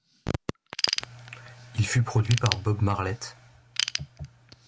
Il fut produit par Bob Marlette.